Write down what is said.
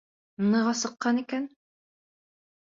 Ныҡ асыҡҡан икән.